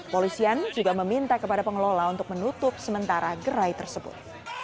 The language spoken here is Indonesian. polisian juga meminta kepada pengelola untuk menutup sementara gerai tersebut